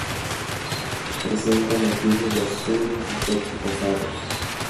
Presenta matices de azules y toques rosados.